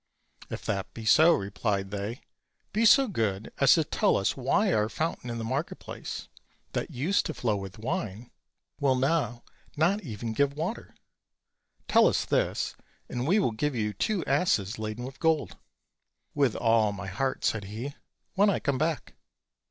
"If that be so," replied they, "be so good as to tell us why our fountain in the market place, that used to flow with wine, will now not even give water? tell us this, and we will give you two asses laden with gold." "With all my heart," said he, "when I come back."